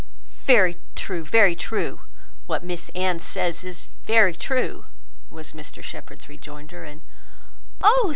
"Very true, very true. What Miss Anne says, is very true," was Mr Shepherd's rejoinder, and "Oh!